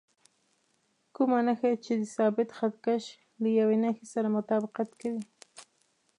کومه نښه یې چې د ثابت خط کش له یوې نښې سره مطابقت کوي.